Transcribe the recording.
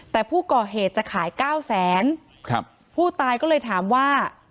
แต่ผู้ก่อเหตุจะขายเก้าแสนครับผู้ตายก็เลยถามว่า